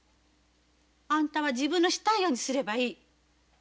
あんたは自分のしたいようにすればいい。